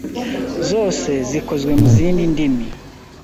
zose zikozwe mu zindi ndimi